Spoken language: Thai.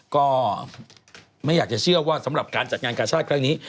ก็ไม่อยากจะเชื่อว่าสำหรับการจัดงานกาชาติครั้งนี้